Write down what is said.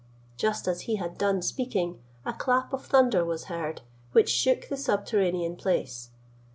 Just as he had done speaking, a clap of thunder was heard, which shook the subterranean place.